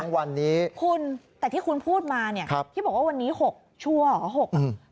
ค่ะคุณแต่ที่คุณพูดมาเนี่ยที่บอกว่าวันนี้๖ชัวร์เหรอ๖